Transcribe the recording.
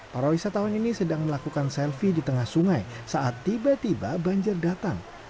para wisatawan ini sedang melakukan selfie di tengah sungai saat tiba tiba banjir datang